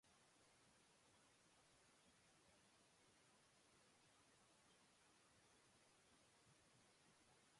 A Dvor district became part of the Socialist Republic of Croatia.